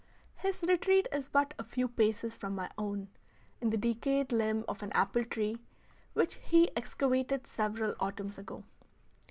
His retreat is but a few paces from my own, in the decayed limb of an apple tree which he excavated several autumns ago.